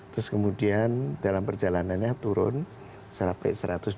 terus kemudian dalam perjalanannya turun sampai satu ratus dua puluh